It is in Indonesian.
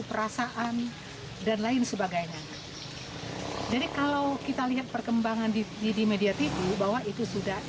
perasaan dan lain sebagainya jadi kalau kita lihat perkembangan di media tv bahwa itu sudah